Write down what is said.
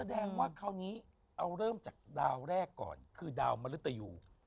แสดงว่าคราวนี้เอาเริ่มจากดาวแรกก่อนคือดาวมริตยู